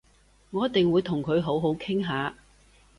我一定會同佢好好傾下